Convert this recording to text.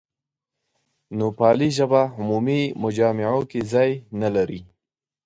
نوپالي ژبه عمومي مجامعو کې ځای نه لري.